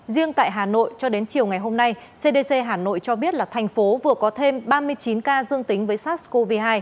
riêng tại hà nội cho đến chiều ngày hôm nay cdc hà nội cho biết là thành phố vừa có thêm ba mươi chín ca dương tính với sars cov hai